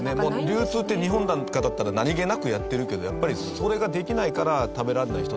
流通って日本なんかだったら何げなくやってるけどやっぱりそれができないから食べられない人たちがいる。